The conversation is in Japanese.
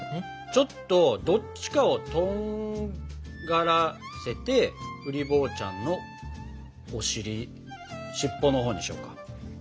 ちょっとどっちかをとんがらせてうり坊ちゃんのお尻尻尾のほうにしようか。